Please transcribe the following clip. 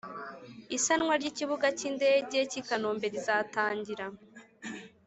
isanwa ry' ikibuga cy' indege cy' i kanombe rizatangira